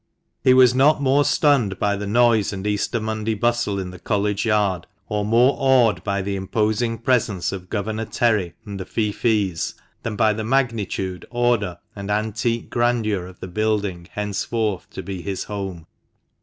He was not more stunned by the noise and Easter Monday bustle in the College Yard, or more awed by the imposing presence of Governor Terry and the feoffees, than by the magnitude, order, and antique grandeur of the building henceforth to be his home.